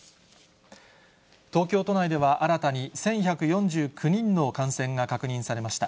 東京都内では新たに１１４９人の感染が確認されました。